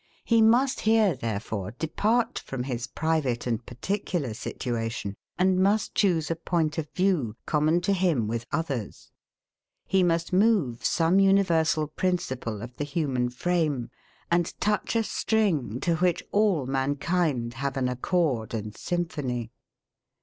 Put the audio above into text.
He must here, therefore, depart from his private and particular situation, and must choose a point of view, common to him with others; he must move some universal principle of the human frame, and touch a string to which all mankind have an accord and symphony.